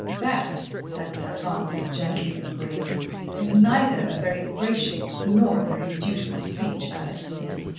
"That," said Sir Francis gently and gravely, "is neither a very gracious nor a very dutiful speech, Alex.